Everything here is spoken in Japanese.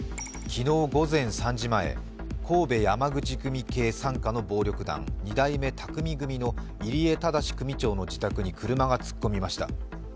昨日午前３時前神戸山口組傘下の暴力団、二代目宅見組の入江禎組長の自宅に車が突っ込みました。